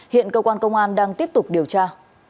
hiện cơ quan công an đang tiếp tục điều tra